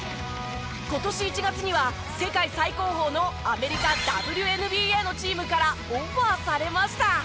今年１月には世界最高峰のアメリカＷＮＢＡのチームからオファーされました。